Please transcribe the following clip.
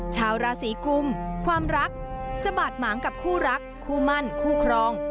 ชาวราศีกุมความรักจะบาดหมางกับคู่รักคู่มั่นคู่ครอง